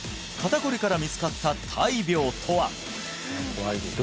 肩こりから見つかった大病とは？